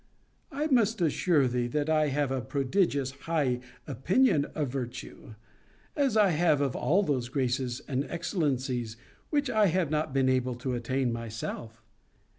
I must assure thee, that I have a prodigious high opinion of virtue; as I have of all those graces and excellencies which I have not been able to attain myself.